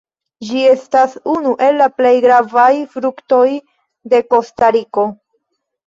Ĝi estas unu el la plej gravaj fruktoj de Kostariko.